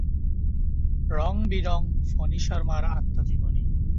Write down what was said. রং-বিরং ফণী শর্মার আত্মজীবনী।